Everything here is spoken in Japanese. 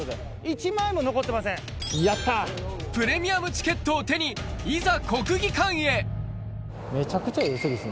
プレミアムチケットを手にいざ国技館へですね